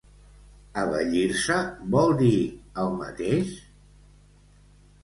“Abellir-se” vol dir el mateix?